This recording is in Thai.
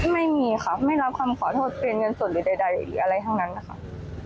ไม่มีค่ะเพราะไม่รับคำขอโทษเปลี่ยนเงินส่วนหรือใดอะไรทั้งนั้นนะค่ะ